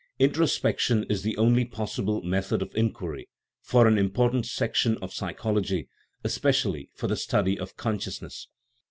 Introspection is the only pos sible method of inquiry for an important section of psychology, especially for the study of consciousness.